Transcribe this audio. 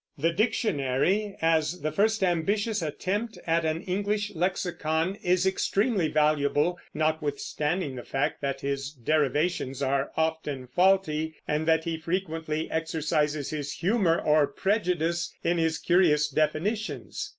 The Dictionary, as the first ambitious attempt at an English lexicon, is extremely valuable, notwithstanding the fact that his derivations are often faulty, and that he frequently exercises his humor or prejudice in his curious definitions.